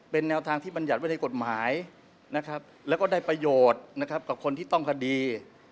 เป็นแนวทางที่มันหยัดไว้ในกฎหมายแล้วก็ได้ประโยชน์กับคนที่ต้องคดี